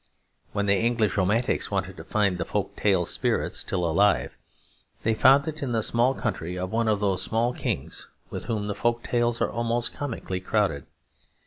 When the English romantics wanted to find the folk tale spirit still alive, they found it in the small country of one of those small kings, with whom the folk tales are almost comically crowded.